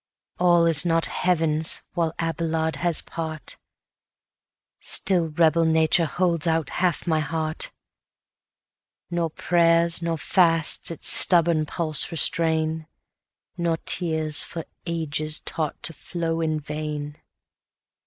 All is not Heaven's while Abelard has part, Still rebel nature holds out half my heart; Nor prayers nor fasts its stubborn pulse restrain, Nor tears for ages taught to flow in vain.